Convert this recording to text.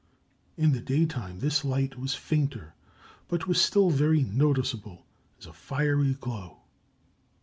In the daytime this light was fainter, but was still very noticeable, as a fiery glow.